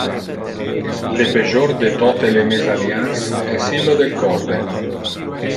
Le pejor de tote le mésalliances es illo del corde.